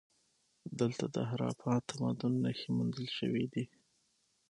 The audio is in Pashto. دلته د هراپا تمدن نښې موندل شوي دي